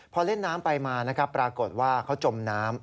พอเล่นน้ำไปมานะครับปรากฏว่าเขาจมน้ำ